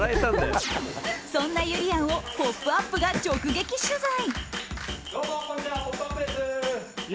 そんな、ゆりやんを「ポップＵＰ！」が直撃取材！